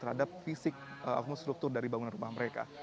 terhadap fisik atau struktur dari bangunan rumah mereka